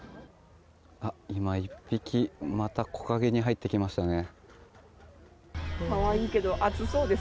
今、１匹また木陰に入ってきましたね。